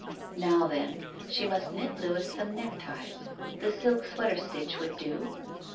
Now then: She must knit Louis some neckties. The silk sweater stitch would do.